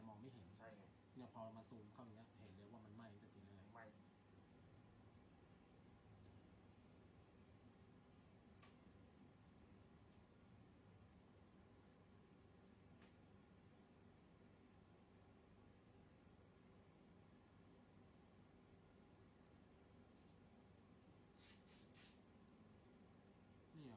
โปรดติดตามต่อไป